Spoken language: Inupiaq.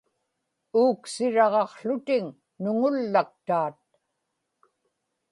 uuksiraġaqłutiŋ nuŋullaktaat